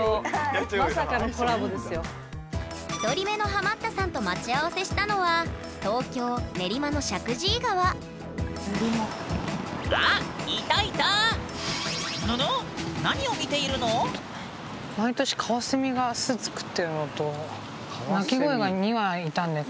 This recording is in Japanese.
１人目のハマったさんと待ち合わせしたのはあいたいた！